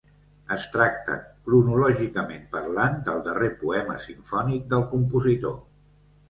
Es tracta, cronològicament parlant, del darrer poema simfònic del compositor.